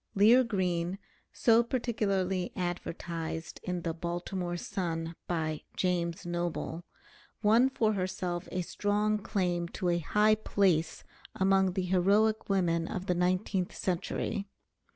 Lear Green, so particularly advertised in the "Baltimore Sun" by "James Noble," won for herself a strong claim to a high place among the heroic women of the nineteenth century.